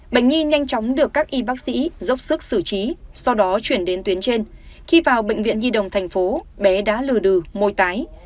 bệnh nhi nhanh chóng được các y bác sĩ dốc sức xử trí sau đó chuyển đến tuyến trên khi vào bệnh viện nhi đồng thành phố bé đã lừa đừ môi tái